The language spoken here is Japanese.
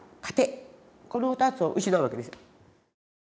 この２つを失うわけです。